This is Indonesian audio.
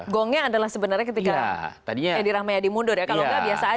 gongnya adalah sebenarnya ketika edi rahmayadi mundur ya kalau nggak biasa aja